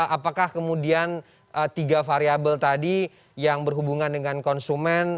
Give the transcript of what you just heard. apakah kemudian tiga variable tadi yang berhubungan dengan konsumen